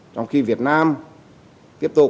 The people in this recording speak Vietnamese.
trong khi việt nam tiếp tục